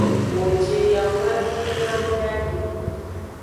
Wo ji yawavi yawodagbe.